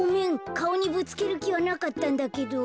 かおにぶつけるきはなかったんだけど。